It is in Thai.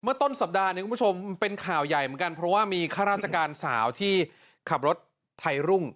เมื่อต้นสัปดาห์เป็นข่าวใหญ่เหมือนกันเพราะว่ามีข้าราชการสาวที่ขับรถไทรุ่ง